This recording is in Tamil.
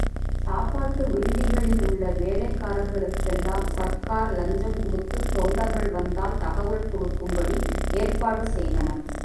சாப்பாட்டு விடுதிகளிலுள்ள வேலைக்காரர்களுக்கெல்லாம் சர்க்கார் லஞ்சம் கொடுத்துத் தொண்டர்கள் வந்தால் தகவல் கொடுக்கும்படி ஏற்பாடு செய்தனர்.